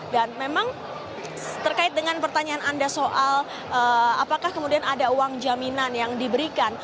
dan memang terkait dengan pertanyaan anda soal apakah kemudian ada uang jaminan yang diberikan